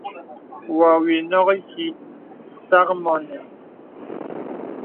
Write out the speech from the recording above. Wɔ wì nɔk ìkìì sàk mɔ nɛn.